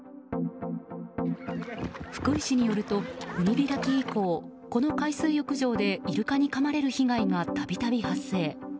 福井市によると、海開き以降この海水浴場でイルカにかまれる被害が度々、発生。